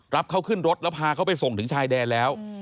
รับเขาขึ้นรถแล้วพาเขาไปส่งถึงชายแดนแล้ว